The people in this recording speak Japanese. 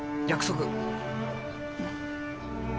うん。